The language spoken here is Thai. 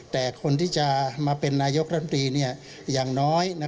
แต่คนที่จะมาเป็นนายกรัฐมนตรีอย่างน้อย